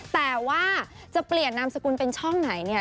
แต่ว่าจะเปลี่ยนนามสกุลเป็นช่องไหนเนี่ย